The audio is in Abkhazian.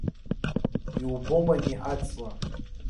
Иубома ани аҵла?